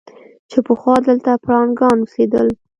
چې پخوا دلته پړانګان اوسېدل.